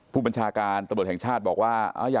ผู้บัญชาการตำรวจแห่งชาติบอกว่า